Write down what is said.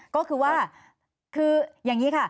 ก็คือว่าคืออย่างนี้ค่ะ